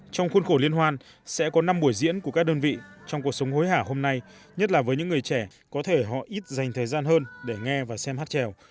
trong khuôn khổ liên hoan sẽ có năm buổi diễn của các đơn vị trong cuộc sống hối hả hôm nay nhất là với những người trẻ có thể họ ít dành thời gian hơn để nghe và xem hát trèo